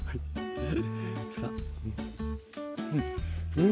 うん。